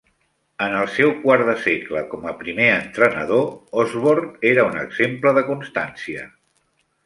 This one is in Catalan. En el seu quart de segle com a primer entrenador, Osborne era un exemple de constància.